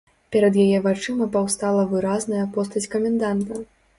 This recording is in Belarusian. Перад яе вачыма паўстала выразная постаць каменданта.